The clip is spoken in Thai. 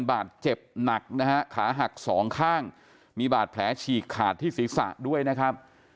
บาดเจ็บหนักนะฮะขาหักสองข้างมีบาดแผลฉีกขาดที่ศีรษะด้วยนะครับ